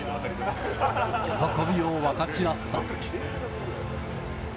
喜びを分かち合った。